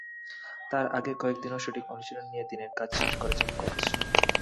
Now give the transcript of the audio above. তার আগের কয়েক দিনও শুটিং অনুশীলন দিয়ে দিনের কাজ শেষ করেছেন কোচ।